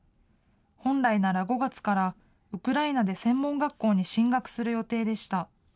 本来なら５月から、ウクライナで専門学校に進学する予定でした。